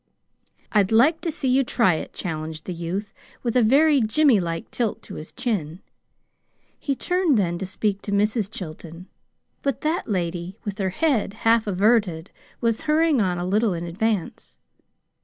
"I'd like to see you try it," challenged the youth, with a very Jimmy like tilt to his chin. He turned then to speak to Mrs. Chilton; but that lady, with her head half averted, was hurrying on a little in advance.